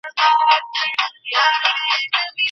نیمايی ډوډۍ یې نه وه لا خوړلې